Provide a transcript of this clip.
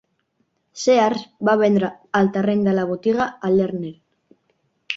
Sears va vendre el terreny de la botiga a Lerner.